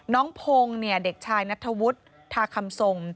น้องพงศ์เด็กชายนัทธวุฒิทาคำทรง